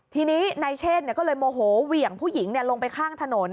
ทีนี้นายเชษก็เลยโมโหเหวี่ยงผู้หญิงลงไปข้างถนน